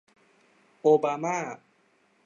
โอบามา